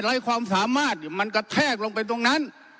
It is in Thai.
ไร้ความสามารถมันกระแทกลงไปตรงนั้น